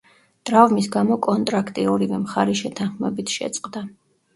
ტრავმის გამო კონტრაქტი ორივე მხარის შეთანხმებით შეწყდა.